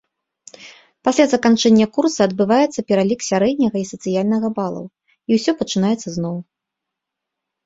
Пасля заканчэння курса адбываецца пералік сярэдняга і сацыяльнага балаў, і ўсё пачынаецца зноў.